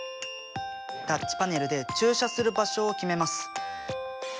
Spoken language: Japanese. タッチパネルで駐車する場所を決めます。